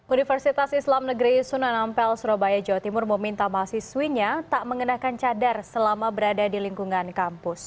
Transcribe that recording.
universitas islam negeri sunan ampel surabaya jawa timur meminta mahasiswinya tak mengenakan cadar selama berada di lingkungan kampus